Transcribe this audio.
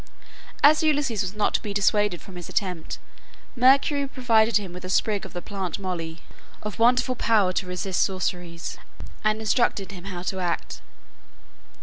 As Ulysses was not to be dissuaded from his attempt, Mercury provided him with a sprig of the plant Moly, of wonderful power to resist sorceries, and instructed him how to act.